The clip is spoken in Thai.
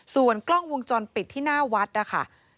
ส่วนกล้องวงจรปิดที่หน้าวัดนะคะ